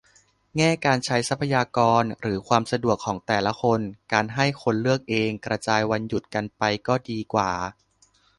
แง่การใช้ทรัพยากรหรือความสะดวกของแต่ละคน การให้คนเลือกเองกระจายวันหยุดกันไปก็ดีกว่า